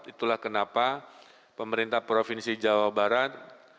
itulah kenapa pemerintah provinsi jawa barat